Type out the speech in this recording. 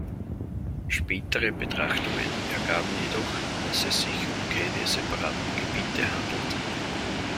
Spätere Betrachtungen ergaben jedoch, dass es sich um keine separaten Gebiete handelt.